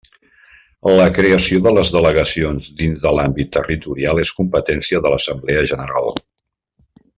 La creació de les delegacions dins de l'àmbit territorial és competència de l'Assemblea General.